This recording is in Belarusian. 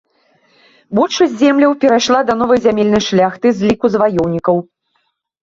Большасць земляў перайшла да новай зямельнай шляхты з ліку заваёўнікаў.